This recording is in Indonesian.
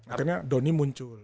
akhirnya donny muncul